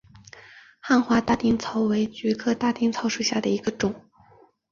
早花大丁草为菊科大丁草属下的一个种。